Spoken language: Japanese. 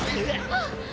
あっ！